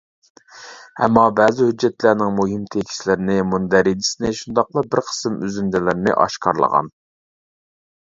ئەمما بەزى ھۆججەتلەرنىڭ مۇھىم تېكىستلىرىنى، مۇندەرىجىسىنى شۇنداقلا بىر قىسىم ئۈزۈندىلىرىنى ئاشكارىلىغان.